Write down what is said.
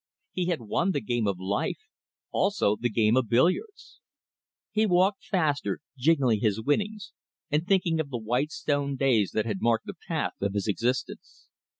He had won the game of life; also the game of billiards. He walked faster, jingling his winnings, and thinking of the white stone days that had marked the path of his existence.